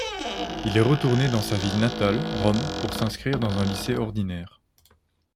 Il est retourné dans sa ville natale, Rome, pour s'inscrire dans une lycée ordinaire.